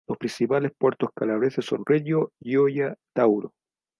Los principales puertos calabreses son Regio y Gioia Tauro.